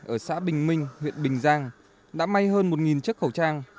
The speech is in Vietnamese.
ở xã bình minh huyện bình giang đã may hơn một chiếc khẩu trang